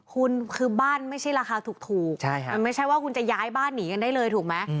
คุณคือบ้านไม่ใช่ราคาถูกมันไม่ใช่ว่าคุณจะย้ายบ้านหนีกันได้เลยถูกไหม